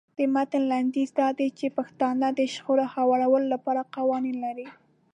د متن لنډیز دا دی چې پښتانه د شخړو هواري لپاره قوانین لري.